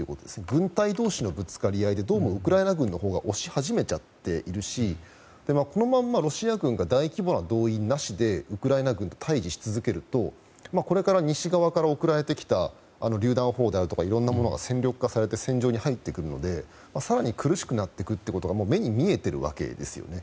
軍隊同士のぶつかり合いでどうもウクライナ軍のほうが押し始めちゃっているしこのままロシア軍が大規模な動員なしにウクライナ軍が大義し続けるとこれから西側から送られたりゅう弾砲とかいろんなものが戦力化されて戦場に入ってくるので更に苦しくなってくることが目に見えているわけですね。